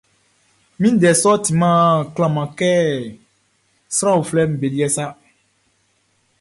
Mi desɛnʼn timan klanman kɛ sran uflɛʼm be liɛʼn sa.